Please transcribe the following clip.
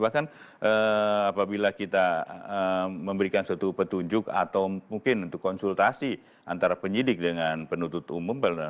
bahkan apabila kita memberikan suatu petunjuk atau mungkin untuk konsultasi antara penyidik dengan penuntut umum